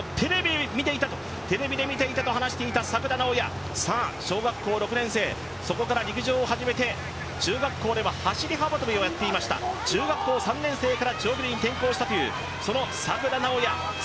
４年前はＭＧＣをテレビで見ていたと話す作田直也、小学校６年生、そこから陸上を始めて中学校では走り幅跳びをしていました中学校３年生から長距離に転向したというその作田直也。